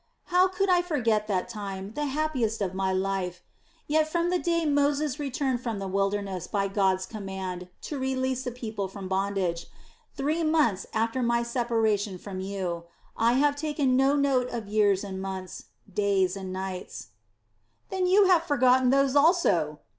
How could I forget that time, the happiest of my life! Yet from the day Moses returned from the wilderness by God's command to release the people from bondage three months after my separation from you I have taken no note of years and months, days and nights." "Then you have forgotten those also?"